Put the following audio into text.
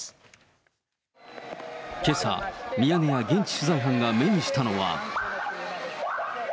けさ、ミヤネ屋現地取材班が目にしたのは。